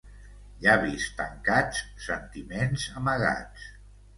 Llavis tancats, sentiments amagats.